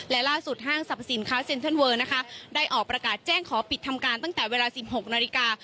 และล่าสุดห้างสรรพสินค้าเซ็นเทิร์นเวอร์นะคะได้ออกประกาศแจ้งขอปิดทำการตั้งแต่เวลา๑๖นาฬิกา